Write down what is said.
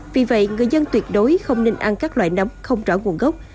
vì vậy người dân tuyệt đối không nên ăn các loại nấm không rõ nguồn gốc